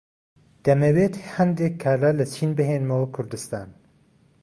دەمەوێت هەندێک کاڵا لە چین بهێنمەوە کوردستان.